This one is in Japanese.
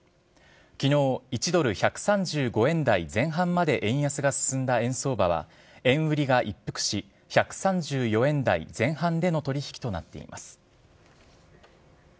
きのう、１ドル１３５円台前半まで円安が進んだ円相場は円売りが一服し、１３４円台前半での取り引きとなっています。